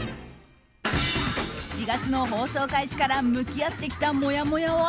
４月の放送開始から向き合ってきたもやもやは。